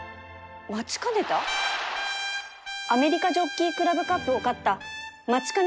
アメリカジョッキークラブカップを勝った